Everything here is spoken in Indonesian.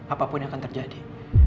apapun yang akan terjadi